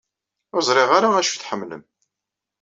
Ur ẓṛiɣ ara acu i tḥemmlem.